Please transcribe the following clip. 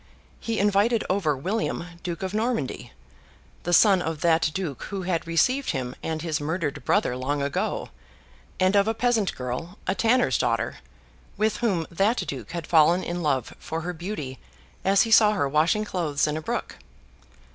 He invited over William, Duke Of Normandy, the son of that Duke who had received him and his murdered brother long ago, and of a peasant girl, a tanner's daughter, with whom that Duke had fallen in love for her beauty as he saw her washing clothes in a brook.